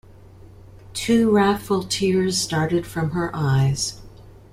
Two wrathful tears started from her eyes.